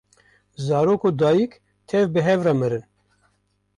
zarok û dayîk tev bi hev re mirin